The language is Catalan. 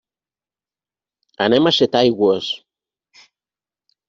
Anem a Setaigües.